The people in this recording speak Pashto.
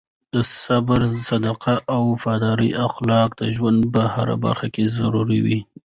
د صبر، صداقت او وفادارۍ اخلاق د ژوند په هره برخه کې ضروري دي.